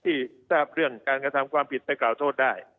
ทราบเรื่องการกระทำความผิดไปกล่าวโทษได้